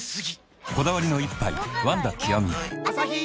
こだわりの一杯「ワンダ極」